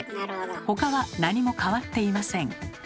他は何も変わっていません。